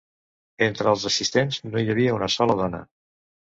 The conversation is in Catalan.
Entre els assistents no hi havia una sola dona.